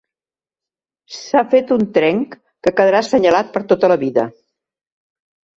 S'ha fet un trenc, que quedarà senyalat per tota la vida.